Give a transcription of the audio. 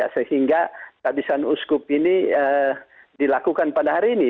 sehingga kehabisan uskup ini dilakukan pada hari ini